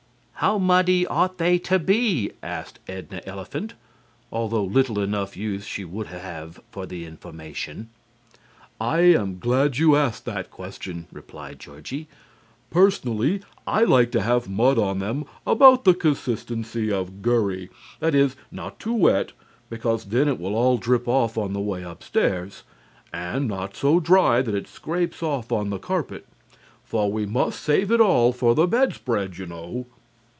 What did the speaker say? "How muddy ought they to be?" asked Edna Elephant, although little enough use she would have for the information. "I am glad that you asked that question," replied Georgie. "Personally; I like to have mud on them about the consistency of gurry that is, not too wet because then it will all drip off on the way upstairs, and not so dry that it scrapes off on the carpet. For we must save it all for the bedspread, you know.